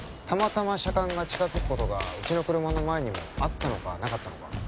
たまたま車間が近づくことがうちの車の前にもあったのかなかったのか